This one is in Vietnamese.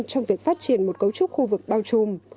trong việc phát triển một cấu trúc khu vực bao trùm